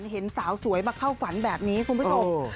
เห็นสาวสวยมาเข้าฝันแบบนี้คุณผู้ชม